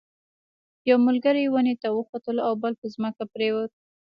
یو ملګری ونې ته وختلو او بل په ځمکه پریوت.